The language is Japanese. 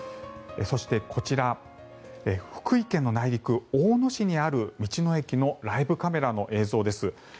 そしてこちら、福井県の内陸大野市にある道の駅のライブカメラの映像です。